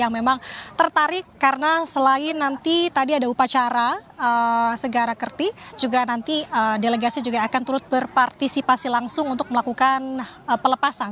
yang memang tertarik karena selain nanti tadi ada upacara segara kerti juga nanti delegasi juga akan turut berpartisipasi langsung untuk melakukan pelepasan